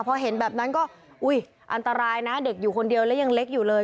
พอเห็นแบบนั้นก็อุ้ยอันตรายนะเด็กอยู่คนเดียวแล้วยังเล็กอยู่เลย